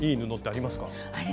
あります。